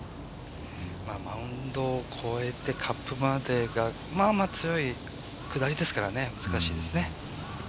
マウンドをこえてカップまでがまあまあ強い下りですから難しいですね。